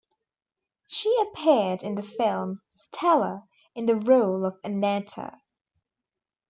She appeared in the film "Stella" in the role of Anetta.